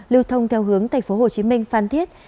lưu thông theo hướng tp hcm phan thiết